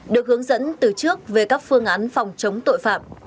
được hướng dẫn từ trước về các phương án phòng chống tội phạm